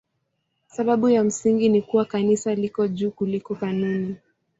Sababu ya msingi ni kuwa Kanisa liko juu kuliko kanuni.